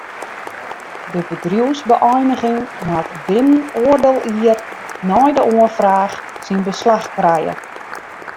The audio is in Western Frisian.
De bedriuwsbeëiniging moat binnen oardel jier nei de oanfraach syn beslach krije.